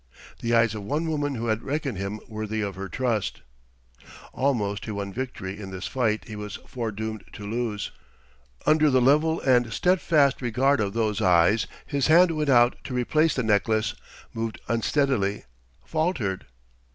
the eyes of one woman who had reckoned him worthy of her trust.... Almost he won victory in this fight he was foredoomed to lose. Under the level and steadfast regard of those eyes his hand went out to replace the necklace, moved unsteadily, faltered....